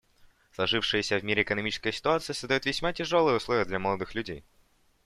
Сложившаяся в мире экономическая ситуация создает весьма тяжелые условия для молодых людей.